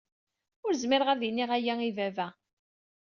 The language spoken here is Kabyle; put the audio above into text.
Ur zmireɣ ad iniɣ aya i baba.